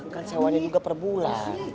kan sewanya juga perbulan